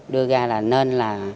đưa ra là nên là